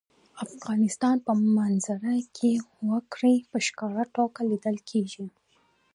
د افغانستان په منظره کې وګړي په ښکاره توګه لیدل کېږي.